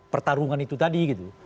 pertarungan itu tadi gitu